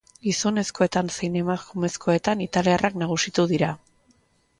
Gizonezkoetan zein emakumezkoetan italiarrak nagusitu dira.